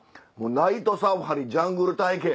ナイトサファリジャングル体験。